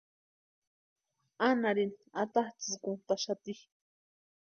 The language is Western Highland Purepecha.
Anarini atatsʼïkuntʼaxati.